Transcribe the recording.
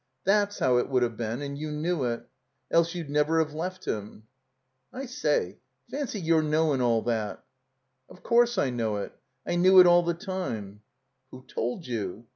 That's how it would have been, and you knew it. Else you'd never have left him." I say — ^fancy your knowin' all that!" *'0f course I know it. I knew it all the time," Who told you?"